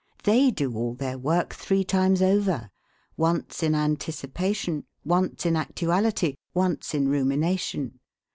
They do all their work three times over: once in anticipation, once in actuality, once in rumination.